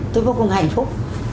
tôi vô cùng hạnh phúc